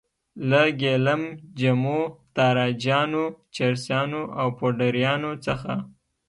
له ګیلم جمو، تاراجیانو، چرسیانو او پوډریانو څخه.